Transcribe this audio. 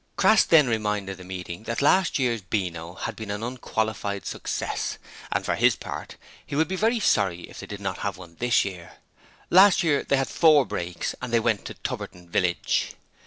Crass then reminded the meeting that the last year's Beano had been an unqualified success, and for his part he would be very sorry if they did not have one this year. Last year they had four brakes, and they went to Tubberton Village.